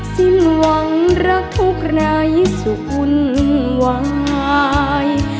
สิ้นหวังรักทุกไร้สุขวุ่นวาย